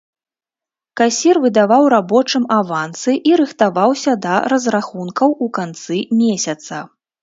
Касір выдаваў рабочым авансы і рыхтаваўся да разрахункаў у канцы месяца.